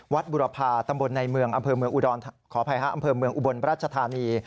วัดบุรพาตำบลในเมืองอำเภอเมืองอุบราชธานี